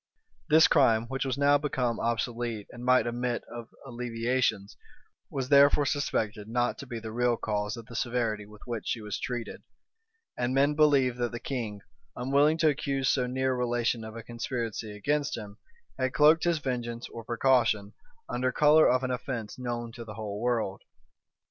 This crime, which was now become obsolete, and might admit of alleviations, was therefore suspected not to be the real cause of the severity with which she was treated; and men believed that the king, unwilling to accuse so near a relation of a conspiracy against him, had cloaked his vengeance or precaution under color of an offence known to the whole world.